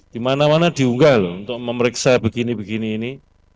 di mana mana diunggah loh untuk memeriksa begini begini ini